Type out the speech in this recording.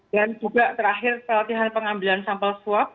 dan juga terakhir pelatihan pengambilan sampel swab